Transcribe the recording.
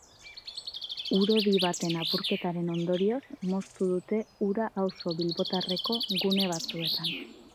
Ur-hodi baten apurketaren ondorioz moztu dute ura auzo bilbotarreko gune batzuetan.